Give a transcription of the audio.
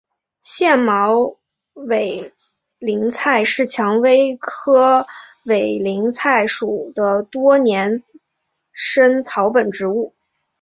腺毛委陵菜是蔷薇科委陵菜属的多年生草本植物。